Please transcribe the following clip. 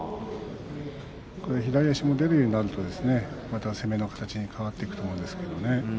これ、左足が出るようになるとまた攻めの形に変わっていくと思うんですけどね。